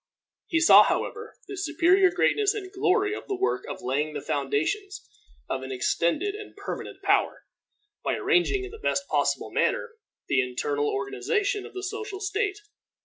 He saw, however, the superior greatness and glory of the work of laying the foundations of an extended and permanent power, by arranging in the best possible manner the internal organization of the social state.